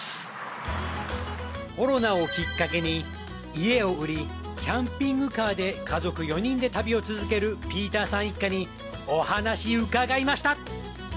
コロナをきっかけに家を売りキャンピングカーで家族４人で旅を続けるピーターさん一家にお話伺いました。